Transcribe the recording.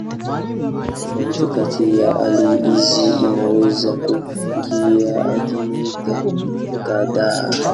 Tofauti kati ya hali hizi inaweza kufikia hadi mita kadhaa.